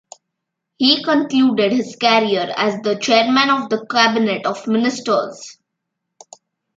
He concluded his career as the Chairman of the Cabinet of Ministers.